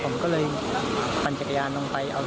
ผมก็เลยปั่นจักรยานลงไป